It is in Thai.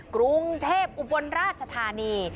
กรุงเทพอุบลราชธานี